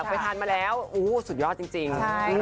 ไปทานมาแล้วสุดยอดจริง